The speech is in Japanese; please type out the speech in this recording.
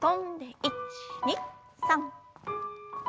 １２３。